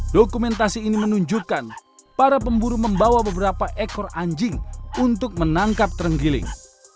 dokumentasi ini menunjukkan para pemburu membawa beberapa ekor anjing untuk menangkap terenggiling